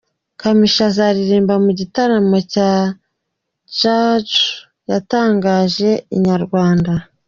Kamichi uzaririmba mu gitaramo cya Sajou yatangarije Inyarwanda.